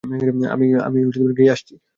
আমরা গিয়ে আসছি।